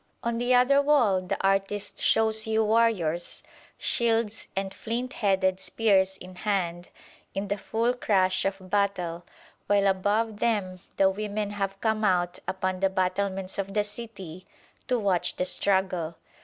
On the other wall the artist shows you warriors, shields and flint headed spears in hand, in the full crash of battle; while above them the women have come out upon the battlements of the city to watch the struggle.